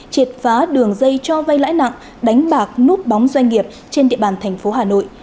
triệt phá đường dây cho vay lãi nặng đánh bạc núp bóng doanh nghiệp trên địa bàn thành phố hà nội